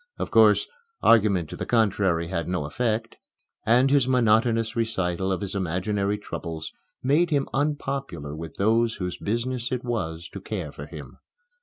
Of course, argument to the contrary had no effect; and his monotonous recital of his imaginary troubles made him unpopular with those whose business it was to care for him.